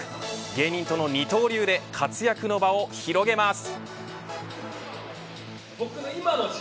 芸人との二刀流で活躍の場を広げます。